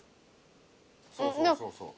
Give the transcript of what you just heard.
そうそうそうそう。